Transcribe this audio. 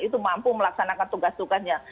itu mampu melaksanakan tugas tugasnya